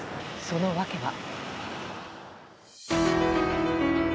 その訳は。